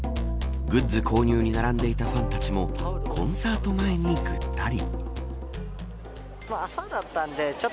グッズ購入に並んでいたファンたちもコンサート前にぐったり。